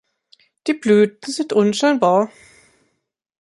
Die Blüten sind unscheinbar.